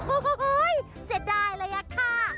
โอ้โฮเศษได้เลยค่ะ